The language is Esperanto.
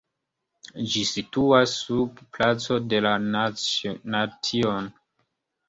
Ĝi situas sub Placo de la Nation.